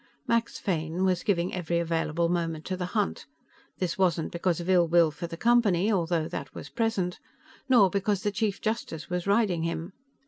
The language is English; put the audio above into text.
Max Fane was giving every available moment to the hunt. This wasn't because of ill will for the Company, though that was present, nor because the Chief Justice was riding him.